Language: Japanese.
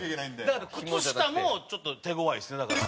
だから靴下もちょっと手ごわいですねだから。